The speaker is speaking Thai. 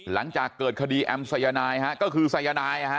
หลังจากเกิดคดีแอมสายนายฮะก็คือสายนาย